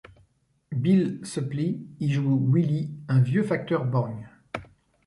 Bill Suplee y joue Willie, un vieux facteur borgne.